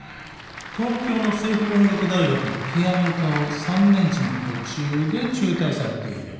東京の青峰音楽大学のピアノ科を３年時の途中で中退されている？